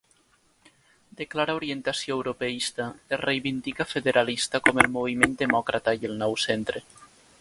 De clara orientació europeista, es reivindica federalista com el Moviment Demòcrata i el Nou Centre.